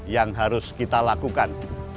yang harus kita lakukan